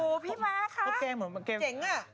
โอ้โฮพี่ม้าคะเจ๋งอ่ะ